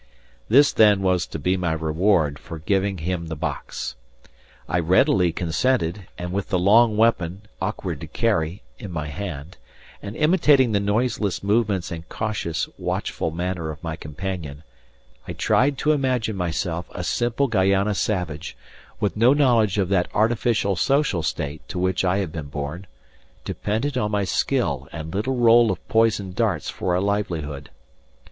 This, then, was to be my reward for giving him the box! I readily consented, and with the long weapon, awkward to carry, in my hand, and imitating the noiseless movements and cautious, watchful manner of my companion, I tried to imagine myself a simple Guayana savage, with no knowledge of that artificial social state to which I had been born, dependent on my skill and little roll of poison darts for a livelihood.